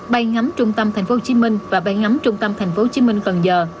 bay ngắm trung tâm thành phố hồ chí minh và bay ngắm trung tâm thành phố hồ chí minh gần giờ